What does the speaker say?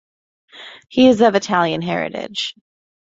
He is of Italian heritage.